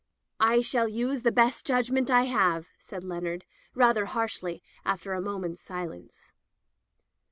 "I shall use the best judgment I have,'' said Leonard rather harshly after a moment's silence.